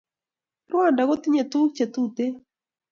Rwanda kotindo tukul che Tuten